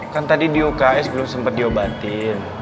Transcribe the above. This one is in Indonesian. kan tadi di uks belum sempat diobatin